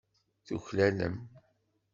Tuklalem.